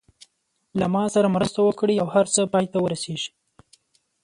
له ما سره مرسته وکړي او هر څه پای ته ورسېږي.